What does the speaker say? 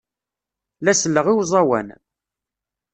La selleɣ i uẓawan.